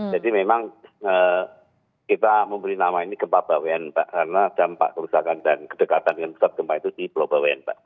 jadi memang kita memberi nama ini gempa bawian pak karena dampak kerusakan dan kedekatan dengan pusat gempa itu di pulau bawian pak